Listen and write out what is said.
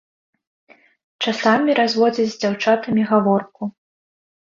Часамі разводзяць з дзяўчатамі гаворку.